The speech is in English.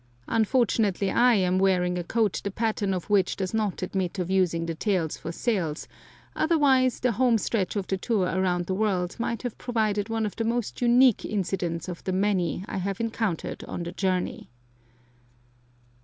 Unfortunately I am wearing a coat the pattern of which does not admit of using the tails for sails otherwise the homestretch of the tour around the world might have provided one of the most unique incidents of the many I have encountered on the journey.